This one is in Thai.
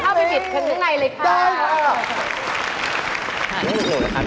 เข้าไปบิดขนุนในเลยค่ะเดินค่ะมานี่คือผมนะคะ